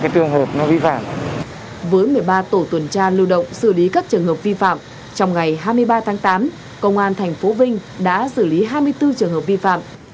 trong ngày hai mươi ba tháng tám công an thành phố vinh đã xử lý hai mươi bốn trường hợp vi phạm